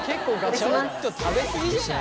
ちょっと食べ過ぎじゃない？